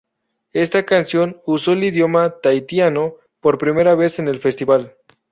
Esta canción usó el idioma tahitiano por primera vez en el Festival.